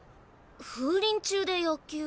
風林中で野球？